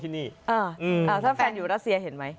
ถ้าแฟนอยู่รัสเซียเห็นไหม